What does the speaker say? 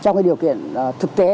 trong cái điều kiện thực tế